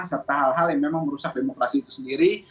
serta hal hal yang memang merusak demokrasi itu sendiri